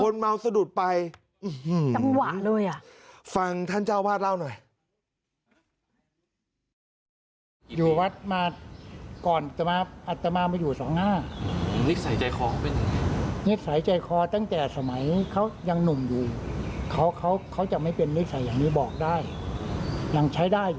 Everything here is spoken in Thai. นี่ไงตรงนี้ไงจะปีนข้ามไปไง